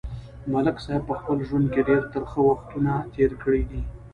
ملک صاحب په خپل ژوند کې ډېر ترخه وختونه تېر کړي دي.